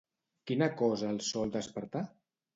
Quina cosa el sol despertar?